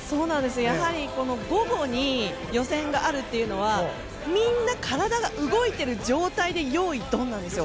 やはり午後に予選があるというのはみんな体が動いている状態で用意ドンなんですよ。